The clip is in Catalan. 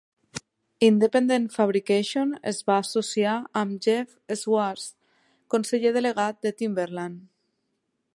Independent Fabrication es va associar amb Jeff Swartz, conseller delegat de Timberland.